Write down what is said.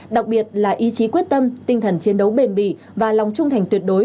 đặc biệt là ý chí quyết tâm tinh thần chiến đấu bền bỉ và lòng trung thành tuyệt đối